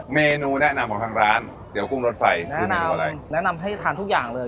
เมนูแนะนำของทางร้านเตี๋ยกุ้งรถไฟหน้าหนาวเลยแนะนำให้ทานทุกอย่างเลย